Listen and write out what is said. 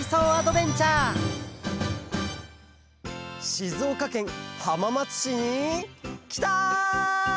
しずおかけんはままつしにきた！